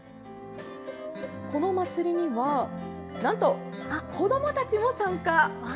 この祭りには、なんと子どもたちも参加。